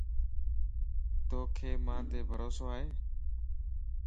توک مانت بھروسو ائي؟